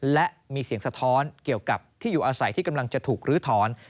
และมีเสียงสะท้อนเกี่ยวกับที่อยู่อาศัยที่กำลังจะถูกลื้อถอน